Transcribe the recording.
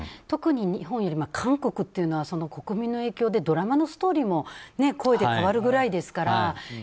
特に日本より韓国というのは国民の影響でドラマのストーリーも故意で変わるくらいですから。